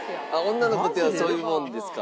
女の子っていうのはそういうもんですか？